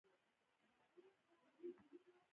ما ورته وویل: نه، هر وخت بیا داسې نه وي، هر څه مساوي دي.